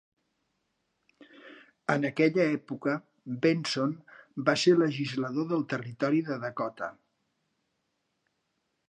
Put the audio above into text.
En aquella època, Benson va ser legislador del territori de Dakota.